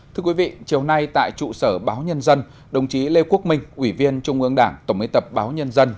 thưa quý vị chiều nay tại trụ sở báo nhân dân đồng chí lê quốc minh ủy viên trung ương đảng tổng biên tập báo nhân dân